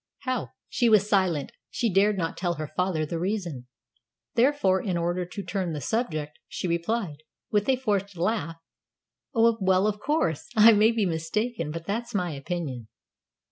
"How?" She was silent. She dared not tell her father the reason; therefore, in order to turn the subject, she replied, with a forced laugh, "Oh, well, of course, I may be mistaken; but that's my opinion."